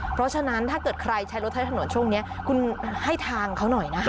เพราะฉะนั้นถ้าเกิดใครใช้รถใช้ถนนช่วงนี้คุณให้ทางเขาหน่อยนะคะ